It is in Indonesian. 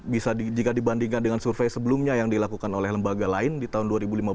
bisa jika dibandingkan dengan survei sebelumnya yang dilakukan oleh lembaga lain di tahun dua ribu lima belas